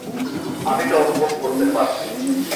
আমি তা অনুভব করতে পারছি।